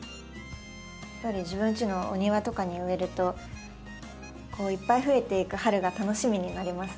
やっぱり自分ちのお庭とかに植えるといっぱい増えていく春が楽しみになりますね。